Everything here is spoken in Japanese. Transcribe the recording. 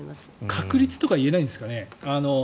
確率とか言えないんですかね。